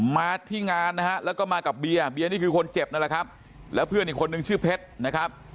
มาที่งานนะฮะแล้วก็มากับเบียร์เบียร์นี่คือคนเจ็บนั่นแหละครับแล้วเพื่อนอีกคนนึงชื่อเพชรนะครับ